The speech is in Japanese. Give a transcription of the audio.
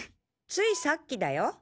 ついさっきだよ。